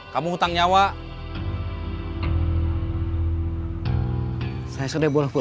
kalau saya hubungi uang utara lex watcha juga after all dev iets